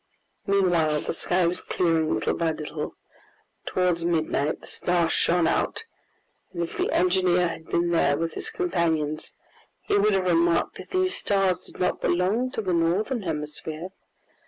Meanwhile, the sky was clearing little by little. Towards midnight the stars shone out, and if the engineer had been there with his companions he would have remarked that these stars did not belong to the Northern Hemisphere.